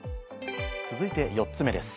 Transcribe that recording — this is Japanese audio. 続いて４つ目です。